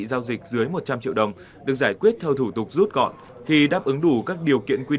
giao dịch dưới một trăm linh triệu đồng được giải quyết theo thủ tục rút gọn khi đáp ứng đủ các điều kiện quy